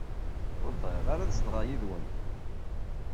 Ur bɣiɣ ara ad zedɣeɣ yid-wen.